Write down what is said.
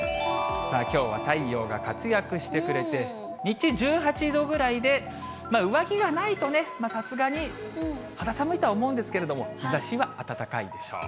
きょうは太陽が活躍してくれて、日中１８度ぐらいで、上着がないとね、さすがに肌寒いとは思うんですけど、日ざしは暖かいでしょう。